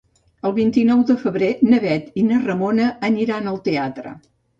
El vint-i-nou de febrer na Bet i na Ramona aniran al teatre.